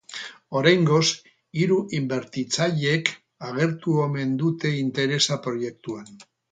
Oraingoz, hiru inbertitzailek agertu omen dute interesa proiektuan.